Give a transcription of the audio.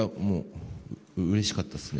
うれしかったですね。